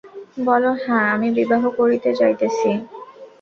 বলো, হাঁ, আমি বিবাহ করিতে যাইতেছি।